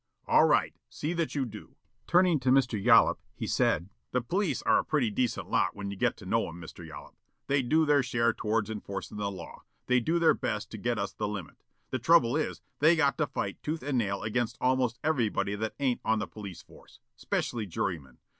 All right. See that you do." Turning to Mr. Yollop, he said: "The police are a pretty decent lot when you get to know 'em, Mr. Yollop. They do their share towards enforcin' the law. They do their best to get us the limit. The trouble is, they got to fight tooth and nail against almost everybody that ain't on the police force. Specially jurymen.